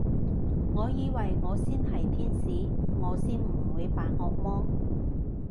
我以為我先係天使，我先唔會扮惡魔